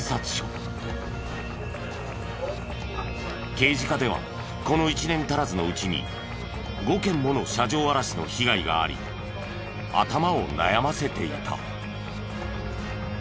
刑事課ではこの１年足らずのうちに５件もの車上荒らしの被害があり頭を悩ませていた。